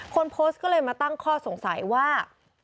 คนโพสต์ก็เลยมาตั้งข้อสงสัยว่า